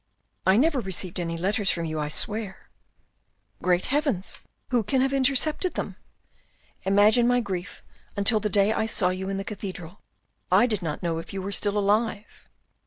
" I never received any letters from you, I swear !"" Great heavens ! Who can have intercepted them ? Imagine my grief until the day I saw you in the cathedral. I did not know if you were still alive."